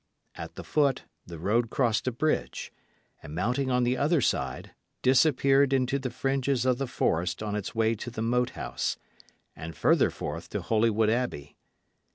At the foot, the road crossed a bridge, and mounting on the other side, disappeared into the fringes of the forest on its way to the Moat House, and further forth to Holywood Abbey.